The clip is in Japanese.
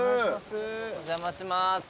お邪魔します。